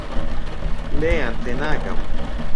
لێیان تێناگەم.